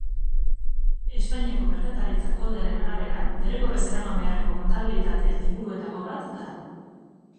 Espainiako Merkataritza Kodea arabera, derrigorrez eraman beharreko kontabilitate-liburuetako bat da.